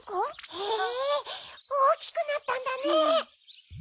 へぇおおきくなったんだね！